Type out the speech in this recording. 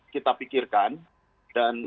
kita pikirkan dan